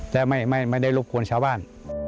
แต่ไม่ได้รบกวนชาวบ้าน